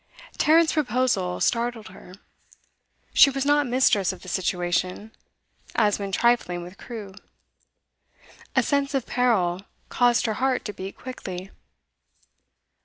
Tarrant's proposal startled her. She was not mistress of the situation, as when trifling with Crewe. A sense of peril caused her heart to beat quickly.